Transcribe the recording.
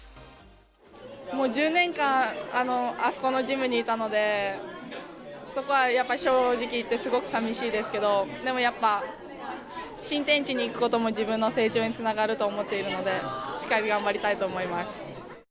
もう１０年間、あそこのジムにいたので、そこはやっぱり正直言ってすごく寂しいですけど、でもやっぱ、新天地に行くことも自分の成長につながると思っているので、しっかり頑張りたいと思います。